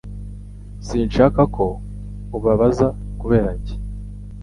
Sinshaka ko ubabaza kubera njye